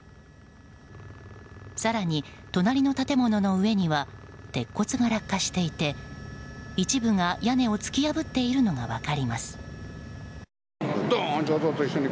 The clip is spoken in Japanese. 更に、隣の建物の上には鉄骨が落下していて一部が屋根を突き破っているのが分かります。